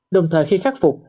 đồng thời khi khắc phục